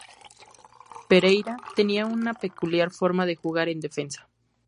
Pereira tenía una peculiar forma de jugar en defensa.